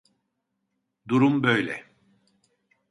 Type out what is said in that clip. Durum böyle